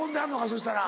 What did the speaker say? そしたら。